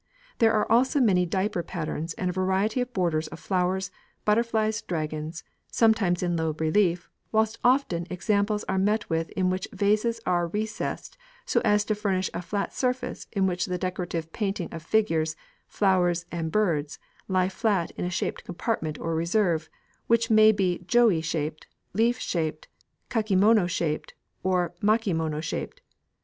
There are also many diaper patterns and a variety of borders of flowers, butterflies, dragons, sometimes in low relief, whilst often examples are met with in which the vases are recessed so as to furnish a flat surface in which the decorative painting of figures, flowers, and birds lies flat in a shaped compartment or reserve, which may be joo e shaped, leaf shaped, kakemono shaped, or makemono shaped.